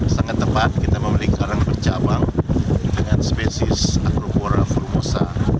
sangat tepat kita membeli karang bercabang dengan spesies acropora flurosa